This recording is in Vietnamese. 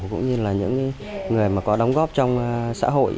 cũng như là những người mà có đóng góp trong xã hội